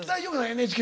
ＮＨＫは。